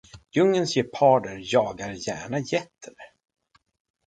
Djungelns geparder jagar gärna getter.